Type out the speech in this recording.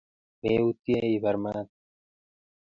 Meutie ibar mat